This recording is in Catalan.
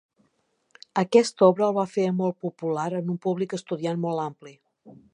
Aquesta obra el va fer molt popular en un públic estudiant molt ampli.